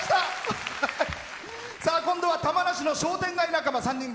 今度は玉名市の商店街仲間３人組。